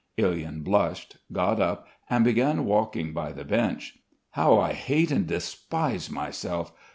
Ilyin blushed, got up, and began walking by the bench: "How I hate and despise myself.